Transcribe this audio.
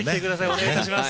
お願いいたします。